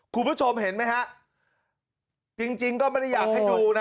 คุณผู้ชมเห็นไหมฮะจริงจริงก็ไม่ได้อยากให้ดูนะ